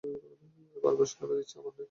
বার বার শুনাইবার ইচ্ছা আমারও নাই।